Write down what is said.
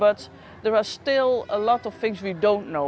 bagaimana dia seperti orang